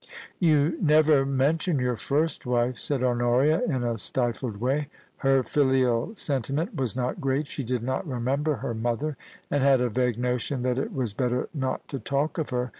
* You never mention your first wife,' said Honoria, in a stifled way. Her filial sentiment was not great; she did not remember her mother, and had a vague notion that it was better not to talk of her.